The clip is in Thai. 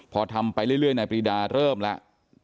พอทำไปเรื่อยนายปรีดาเริ่มแล้ว